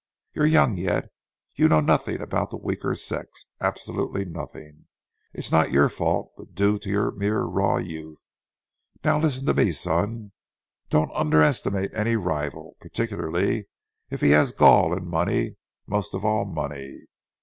You're young yet; you know nothing about the weaker sex, absolutely nothing. It's not your fault, but due to your mere raw youth. Now, listen to me, son: Don't underestimate any rival, particularly if he has gall and money, most of all, money.